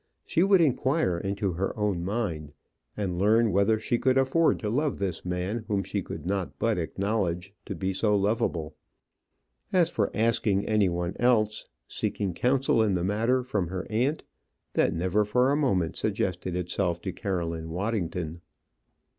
She would inquire into her own mind, and learn whether she could afford to love this man whom she could not but acknowledge to be so loveable. As for asking any one else, seeking counsel in the matter from her aunt, that never for a moment suggested itself to Caroline Waddington.